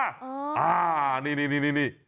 อ้าวนี่